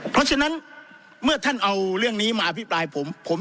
เพราะฉะนั้นเมื่อท่านเอาเรื่องนี้มาอภิปรายผม